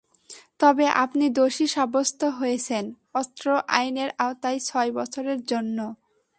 তবে, আপনি দোষী সাব্যস্ত হয়েছেন, অস্ত্র আইনের আওতায় ছয় বছরের জন্য।